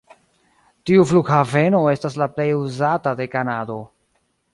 Tiu flughaveno estas la plej uzata de Kanado.